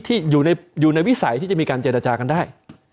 ที่อยู่ในวิสัยที่จะมีการเจรจากันได้